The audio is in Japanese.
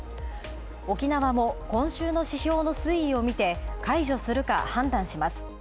沖縄も今週の指標の推移をみて解除するか判断します。